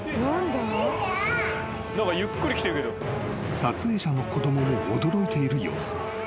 ［撮影者の子供も驚いている様子］